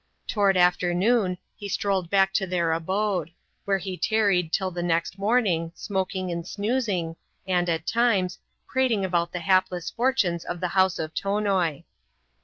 Toward afternoon, he strolled back to their abode ; where he tarried till the next morning, smoking and snoozing, and, at times, prating about the hapless fortunes of the House of Tonoi.